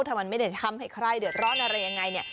ถ้ามันไม่ได้ทำให้ใครเดือดร้อนอะไรยังไงเนี่ย